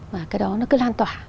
mà cái đó nó cứ lan tỏa